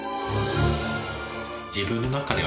自分の中では。